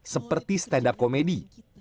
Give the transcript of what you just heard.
seperti stand up komedi